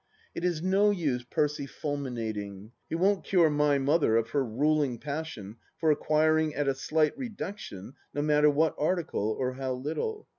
It is no use Percy fulminating ; he won't cure my Mother of her ruling passion for acquiring, at a slight reduction, no matter what article, or how little.